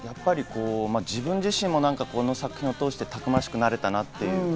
自分自身も作品を通してたくましくなれたなっていう。